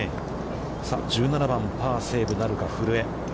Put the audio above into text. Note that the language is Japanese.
さあ１７番、パーセーブなるか、古江。